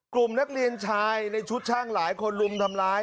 กลุ่มนักเรียนชายในชุดช่างหลายคนรุมทำร้าย